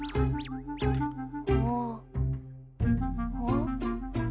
ん？